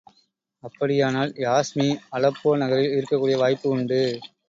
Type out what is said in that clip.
அப்படியானால், யாஸ்மி அலெப்போ நகரில் இருக்கக்கூடிய வாய்ப்பு உண்டு.